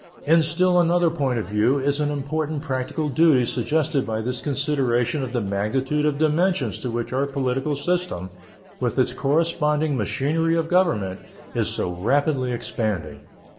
In still another point of view is an important practical duty suggested by this consideration of the magnitude of dimensions to which our political system, with its corresponding machinery of government, is so rapidly expanding.